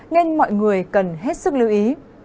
nên mọi người cần hết sức lưu ý